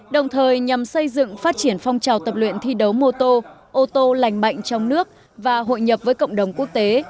đồng thời nhằm xây dựng phát triển phong trào tập luyện thi đấu mô tô ô tô lành mạnh trong nước và hội nhập với cộng đồng quốc tế